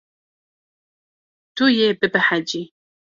Tu yê bibehecî.